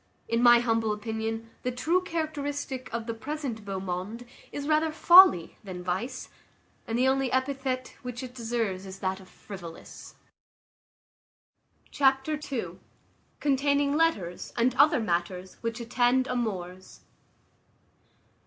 In my humble opinion, the true characteristic of the present beau monde is rather folly than vice, and the only epithet which it deserves is that of frivolous. Chapter ii. Containing letters and other matters which attend amours.